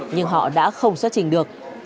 nhưng họ đã không xuất trình được